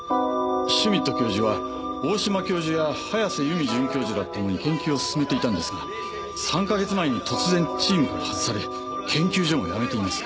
シュミット教授は大島教授や早瀬由美准教授らと共に研究を進めていたんですが３カ月前に突然チームから外され研究所も辞めています。